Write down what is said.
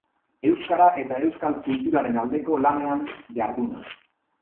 Euskara eta Euskal kulturaren aldeko lanean jarduna.